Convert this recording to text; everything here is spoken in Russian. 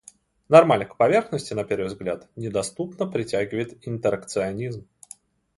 Нормаль к поверхности, на первый взгляд, недоступно притягивает интеракционизм.